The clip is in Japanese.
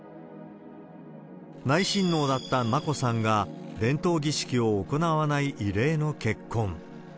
内親王だった眞子さんが伝統儀式を行わない異例の結婚。